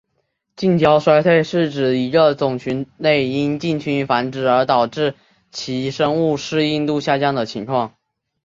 近交衰退是指一个种群内因近亲繁殖而导致其生物适应度下降的情况。